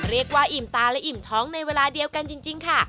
อิ่มตาและอิ่มท้องในเวลาเดียวกันจริงค่ะ